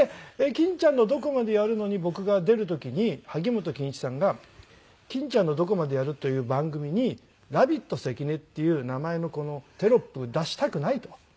『欽ちゃんのどこまでやるの！』に僕が出る時に萩本欽一さんが「『欽ちゃんのどこまでやるの！』という番組にラビット関根っていう名前のテロップ出したくない」と。